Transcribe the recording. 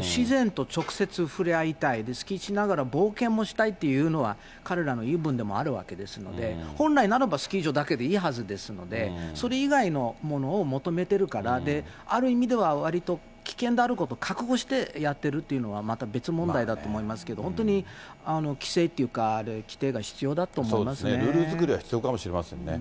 自然と直接触れ合いたい、スキーしながら冒険もしたいというのは、彼らの言い分でもあるわけですので、本来ならばスキー場だけでいいはずですので、それ以外のものを求めてるから、ある意味ではわりと危険であることを覚悟してやってるというのはまた別問題だと思いますけれども、本当に規制っていうか、ルール作りは必要かもしれませんね。